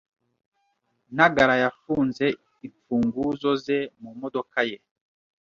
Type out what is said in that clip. Ntagara yafunze imfunguzo ze mu modoka ye.